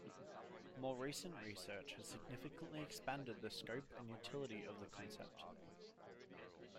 More recent research has significantly expanded the scope and utility of the concept.